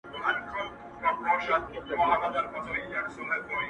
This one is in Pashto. o نه كيږي ولا خانه دا زړه مـي لـه تن وبــاسـه؛